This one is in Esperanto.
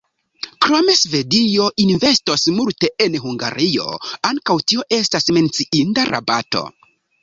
Krome Svedio investos multe en Hungario – ankaŭ tio estas menciinda rabato.